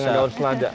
iya dengan daun selada